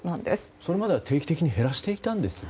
それまでは定期的に減らしていたんですよね。